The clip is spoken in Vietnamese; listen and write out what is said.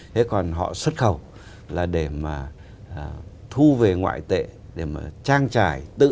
thế còn họ xuất khẩu là để mà thu về ngoại tệ để mà trang trải